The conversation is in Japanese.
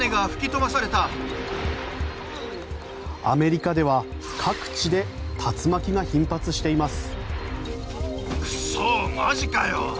アメリカでは各地で竜巻が頻発しています。